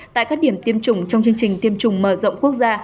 tại các điểm tiêm chủng trong chương trình tiêm chủng mở rộng quốc gia